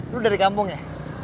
lo dari kampung ya